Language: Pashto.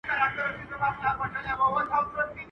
هندو ستړی، خداى ناراضه.